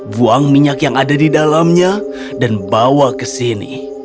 buang minyak yang ada di dalamnya dan bawa ke sini